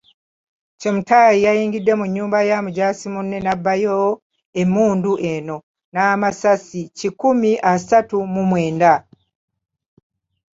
Chemutai yayingidde mu nnyumba ya mujaasi munne n'abbayo emmundu eno n'amasasi kikumi asatu mu mwenda.